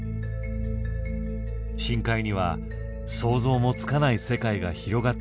深海には想像もつかない世界が広がっているに違いない。